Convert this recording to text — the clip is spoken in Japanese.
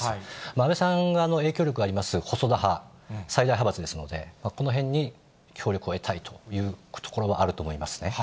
安倍さんが影響力があります細田派、最大派閥ですので、このへんに協力を得たいというところはあると思いますね。